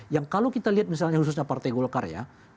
yang kalau kita lihat misalnya khususnya partai golkar ya